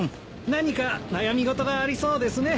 何か悩み事がありそうですね。